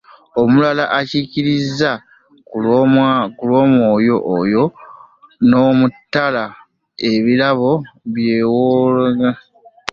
Omulala okukkiriza, ku bw'Omwoyo oyo; n'omutala ebirabo eby'okuwonyanga, ku bw'Omwoyo omu.